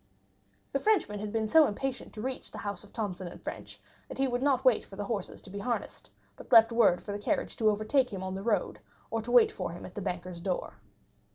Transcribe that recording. The Frenchman had been so impatient to reach the house of Thomson & French that he would not wait for the horses to be harnessed, but left word for the carriage to overtake him on the road, or to wait for him at the bankers' door.